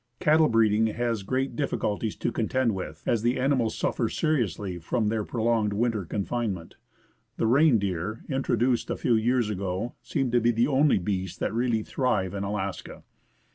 Cattle breeding has great difficulties to contend with, as the animals suffer seriously from their prolonged winter confinement. The reindeer, introduced a few years ago, seem to be the only beasts that really thrive in Alaska.